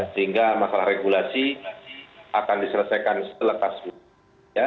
sehingga masalah regulasi akan diselesaikan setelah kasus